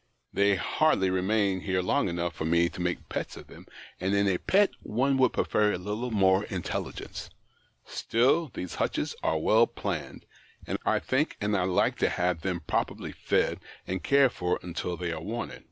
They hardly remain here long enough for me to make pets of them, and in a pet one would prefer a little more intelligence. Still, 5S THE OCTAVE OP CLAUDIUS. these hutches are well planned, I think, and I like to have them properly fed and cared for until they are wanted.